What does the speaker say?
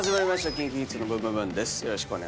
『ＫｉｎＫｉＫｉｄｓのブンブブーン！』です。